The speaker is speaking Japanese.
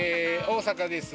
大阪です。